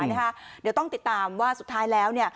เดี๋ยวต้องติดตามว่าสุดท้ายแล้ว